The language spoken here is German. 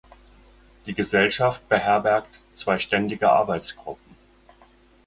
Die Gesellschaft beherbergt zwei ständige Arbeitsgruppen.